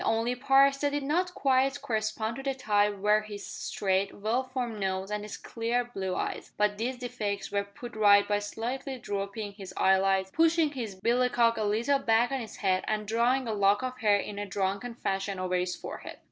The only parts that did not quite correspond to the type were his straight, well formed nose and his clear blue eyes, but these defects were put right by slightly drooping his eyelids, pushing his billycock a little back on his head, and drawing a lock of hair in a drunken fashion over his forehead.